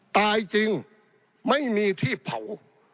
ตายจริงไม่มีที่เผา